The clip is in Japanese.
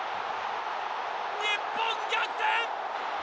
日本、逆転！